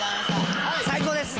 最高です。